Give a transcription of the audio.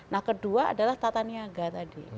nah kedua adalah tata niaga tadi